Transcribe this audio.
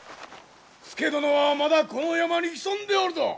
佐殿はまだこの山に潜んでおるぞ。